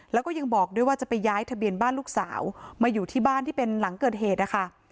แล้วก็ยังบอกด้วยว่าจะไปย้ายทะเบียนบ้านลูกสาวมาอยู่ที่บ้านที่เป็นหลังเกิดเหตุนะคะ